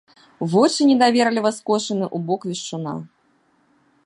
Вочы недаверліва скошаны ў бок вешчуна.